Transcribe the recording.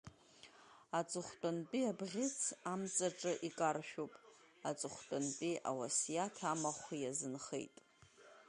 Аҵыхәтәантәи абӷьыц амҵаҿы икаршәуп, аҵыхәтәантәи ауасиаҭамахәиазынхеит.